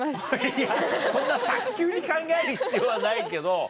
いやそんな早急に考える必要はないけど。